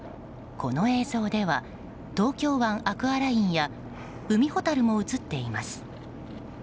この映像では東京湾アクアラインや海ほたるも映っています。